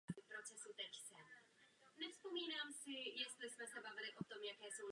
Zachycuje bodové okamžiky naší země.